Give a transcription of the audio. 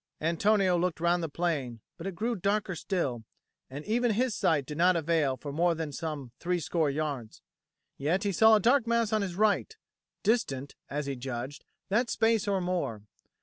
Antonio looked round the plain; but it grew darker still, and even his sight did not avail for more than some threescore yards. Yet he saw a dark mass on his right, distant, as he judged, that space or more.